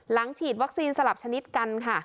หลังฉีดวัคซีนสลับชนิดกัน